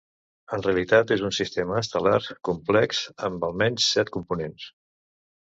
En realitat és un sistema estel·lar complex amb, almenys, set components.